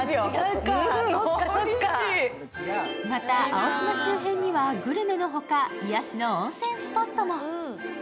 また、青島周辺にはグルメの他癒やしの温泉スポットも。